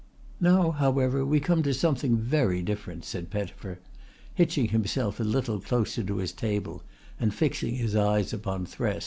"Now, however, we come to something very different," said Pettifer, hitching himself a little closer to his table and fixing his eyes upon Thresk.